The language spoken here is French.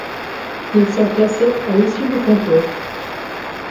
Ils sont classés à l'issue du concours.